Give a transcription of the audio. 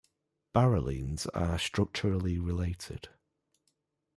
Barrelenes are structurally related.